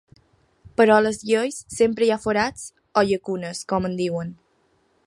Però a les lleis sempre hi ha forats, o llacunes, com en diuen.